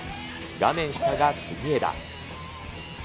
画面下が国枝。